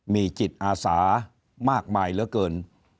มีจิตอาสามากมายเหลือเกิน